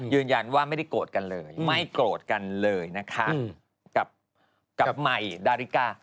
ยืนยันว่าไม่ได้โกรธกันเลยไม่โกรธกันเลยนะคะกับใหม่ดาริกา